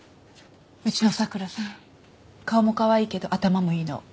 うちの桜さ顔もかわいいけど頭もいいの。